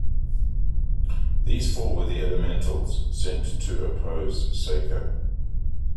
These four were the Elementals, sent to oppose Saker.